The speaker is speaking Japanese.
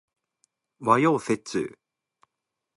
和洋折衷